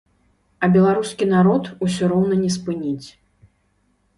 А беларускі народ усё роўна не спыніць.